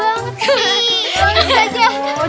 jangan kayak gitu dong